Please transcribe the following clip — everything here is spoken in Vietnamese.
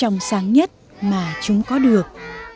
trong sáng nhất mà chúng có được